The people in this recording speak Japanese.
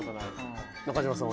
中島さんは。